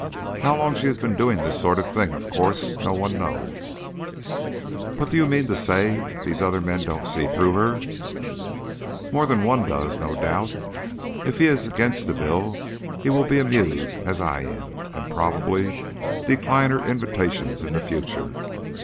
How long she has been doing this sort of thing, of course no one knows." "But do you mean to say these other men don't see through her?" "More than one does, no doubt. If he is against the bill he will be amused, as I am, and probably decline her invitations in the future.